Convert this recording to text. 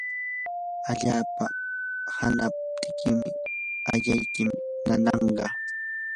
allapa ahanaptiki ayaykim nananqa.